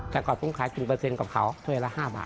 แต่ก่อนผมขาย๑๐กับเขาสวยละ๕บาท